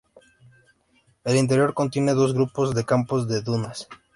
El interior contiene dos grupos de campos de dunas.